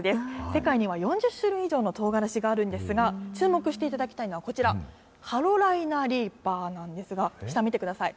世界には４０種類以上のとうがらしがあるんですが、注目していただきたいのは、こちら、カロライナリーパーなんですが、下見てください。